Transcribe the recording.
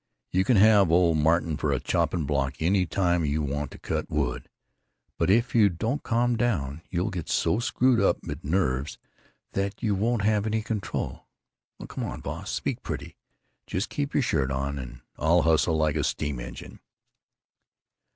You can have old Martin for a chopping block any time you want to cut wood. But if you don't calm down you'll get so screwed up mit nerves that you won't have any control. Aw, come on, boss, speak pretty! Just keep your shirt on and I'll hustle like a steam engine."